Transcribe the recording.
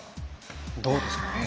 どうですかね？